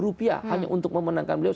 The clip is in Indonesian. rupiah hanya untuk memenangkan beliau